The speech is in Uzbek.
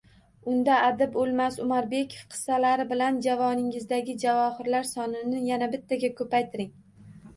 Unda adib O`lmas Umarbekov qissalari bilan javoningizdagi javohirlar sonini yana bittaga ko`paytiring